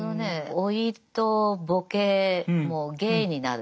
老いとボケも芸になる。